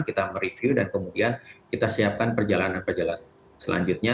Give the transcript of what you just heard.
kita mereview dan kemudian kita siapkan perjalanan perjalanan selanjutnya